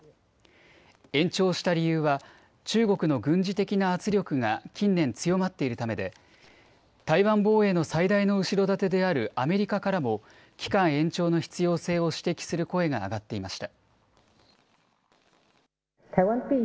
延長した理由は中国の軍事的な圧力が近年、強まっているためで台湾防衛の最大の後ろ盾であるアメリカからも期間延長の必要性を指摘する声が上がっていました。